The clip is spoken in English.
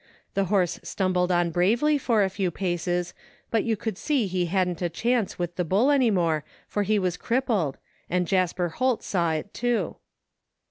The horse stumbled on bravely for a few paces, but you could see he hadn't a chance with the bull any more for he was crippled, and Jasper Holt saw it, too.